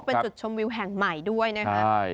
เป็นจุดชมวิวแห่งใหม่ด้วยนะคะ